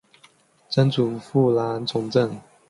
曾祖父兰从政。